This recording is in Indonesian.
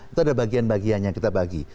itu ada bagian bagian yang kita bagi